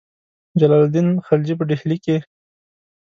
جلال الدین خلجي په ډهلي کې.